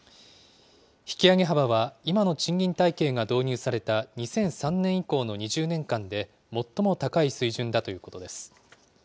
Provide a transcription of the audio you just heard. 引き上げ幅は今の賃金体系が導入された２００３年以降の２０年間で、最も高い水準だということです。